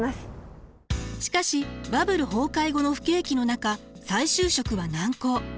しかしバブル崩壊後の不景気の中再就職は難航。